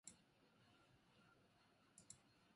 こんにちは赤ちゃんあなたの未来に